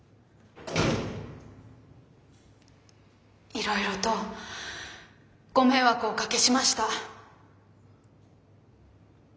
いろいろとご迷惑をおかけしました。